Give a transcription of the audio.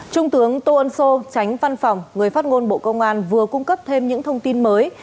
trung tướng tô ân sô tránh văn phòng người phát ngôn bộ công an vừa cung cấp thêm những thông tin mới